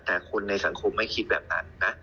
แต่คนในสังคมไม่คิดแบบนั้นนะ